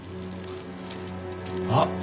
あっ。